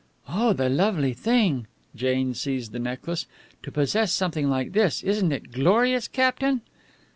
"Oh, the lovely thing!" Jane seized the necklace. "To possess something like this! Isn't it glorious, captain?"